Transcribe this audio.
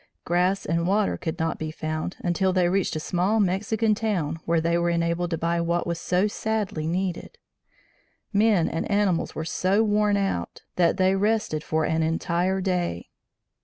Grass and water could not be found until they reached a small Mexican town where they were enabled to buy what was so sadly needed. Men and animals were so worn out that they rested for an entire day.